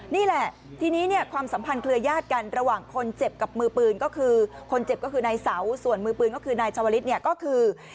นี่แหละทีนี้เนี่ยความสัมพันธ์เครือญาติกันระหว่างคนเจ็บกับมือปืนก็คือคนเจ็บก็คือนายเสาส่วนมือปืนก็คือนายชาวลิศเนี่ยก็คือ